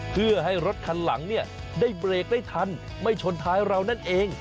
เพื่อให้รถคันหลังเนี่ยได้เบรกได้ทันไม่ชนท้ายเรานั่นเอง